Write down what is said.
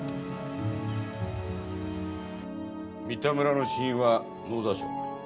三田村の死因は脳挫傷。